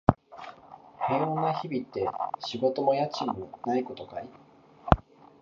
平穏な日々って、仕事も家賃もないことかい？